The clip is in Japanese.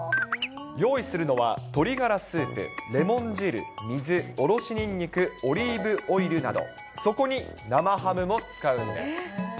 用意するのは鶏ガラスープ、レモン汁、水、おろしにんにく、オリーブオイルなど、そこに生ハムも使うんです。